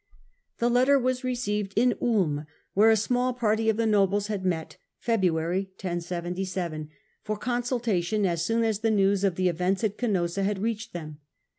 The letter was received in Ulm, where a small party of the nobles had met (February, 1077) for consultation as soon as the news of the events at Canossa had reached them.